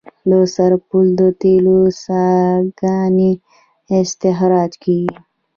د سرپل د تیلو څاګانې استخراج کیږي